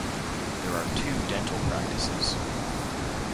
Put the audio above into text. There are two dental practices.